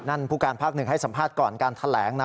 ผู้การภาคหนึ่งให้สัมภาษณ์ก่อนการแถลงนะ